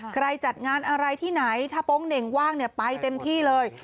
จัดงานอะไรที่ไหนถ้าโป๊งเหน่งว่างไปเต็มที่เลย